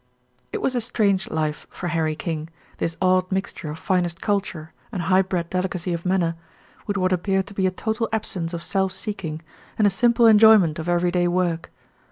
It was a strange life for Harry King, this odd mixture of finest culture and high bred delicacy of manner, with what appeared to be a total absence of self seeking and a simple enjoyment of everyday work.